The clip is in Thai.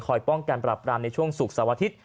คอยป้องกันปรับปรามในช่วงศุกร์สวทธิศ